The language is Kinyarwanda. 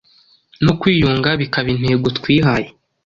No kwiyunga bikaba intego twihaye